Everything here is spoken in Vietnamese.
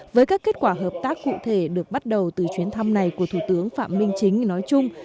với các kết quả hợp tác cụ thể được bắt đầu từ chuyến thăm này của thủ tướng phạm minh chính nói chung